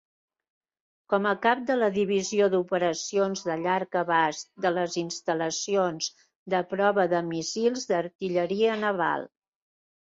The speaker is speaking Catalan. com a cap de la divisió d'operacions de llarg abast de les instal·lacions de prova de míssils d'artilleria naval.